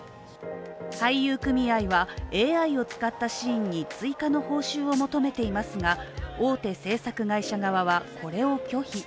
俳優組合はＡＩを使ったシーンに追加の報酬を求めていますが大手制作会社側はこれを拒否。